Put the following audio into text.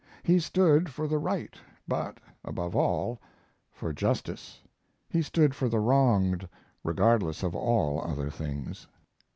He stood for the right, but, above all, for justice. He stood for the wronged, regardless of all other things.